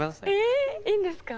えいいんですか？